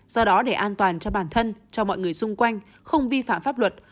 do đó để an toàn cho bản thân cho mọi người xung quanh không vi phạm pháp luật